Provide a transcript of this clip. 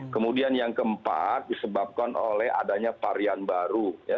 kemudian yang keempat disebabkan oleh adanya varian baru